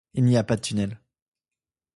Il n'y a pas de tunnel.